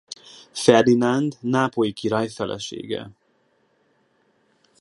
Ferdinánd nápolyi király felesége.